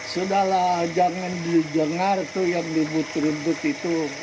sudahlah jangan di dengar tuh yang ribut ribut itu